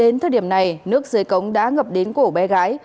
nước dưới cống đã ngập đến cổ bé gái